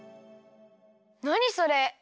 なにそれ？